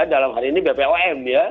dalam hari ini bpom ya